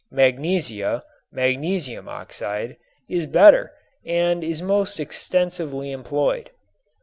Magnesia (magnesium oxide) is better and is most extensively employed.